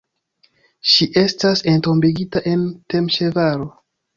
Ŝi estas entombigita en Temeŝvaro.